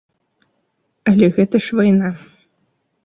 Але гэта ж вайна.